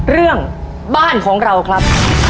เรื่องบ้านของเราครับ